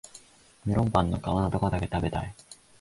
メロンパンの皮のとこだけ食べたい